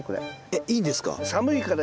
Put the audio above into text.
えっいいんですか？